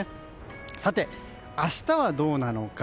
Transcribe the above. さて、明日はどうなのか。